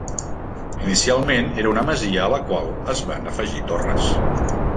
Inicialment, era una masia a la qual es van afegir torres.